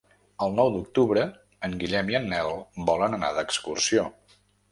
El nou d'octubre en Guillem i en Nel volen anar d'excursió.